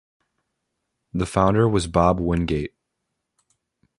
The founder was Bob Wingate.